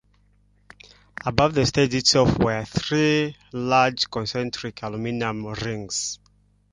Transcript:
Above the stage itself were three large concentric aluminum rings.